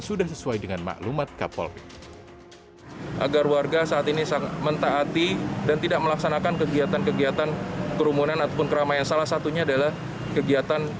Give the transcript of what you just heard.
sudah sesuai dengan maklumat kapolri